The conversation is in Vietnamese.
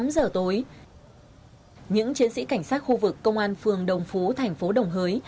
tám giờ tối những chiến sĩ cảnh sát khu vực công an phường đồng phú tp đồng hới